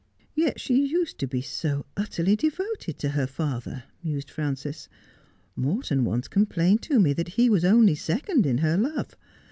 ' Yet she used to be so utterly devoted to her father,' mused Frances. 'Morton once complained to me that he was only second in her love.